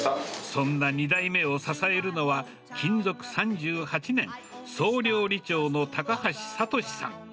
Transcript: そんな２代目を支えるのは、勤続３８年、総料理長の高橋智さん。